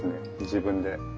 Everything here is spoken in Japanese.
自分で。